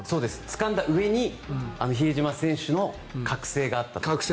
つかんだうえに比江島選手の覚醒があったと。